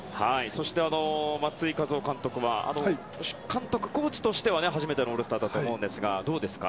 そして松井稼頭央監督は監督コーチとしては初めてのオールスターだと思うんですが、どうですか？